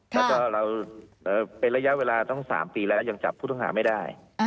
แล้วก็เราเป็นระยะเวลาต้อง๓ปีแล้วยังจับผู้ต้องหาไม่ได้